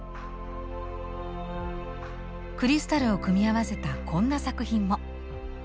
クリスタルを組み合わせたこんな作品も。